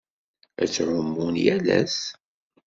Ad ttɛumun yal ass.